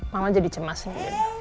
mama jadi cemasin